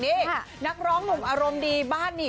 นี่นักร้องหนุ่มอารมณ์ดีบ้านนี่